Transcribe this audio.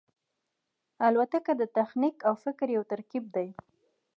الوتکه د تخنیک او فکر یو ترکیب دی.